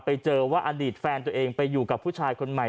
ไปเจอว่าอดีตแฟนตัวเองไปอยู่กับผู้ชายคนใหม่